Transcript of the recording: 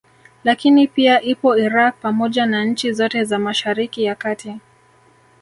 Lakini pia ipo Iraq pamoja na nchi zote za Mashariki ya kati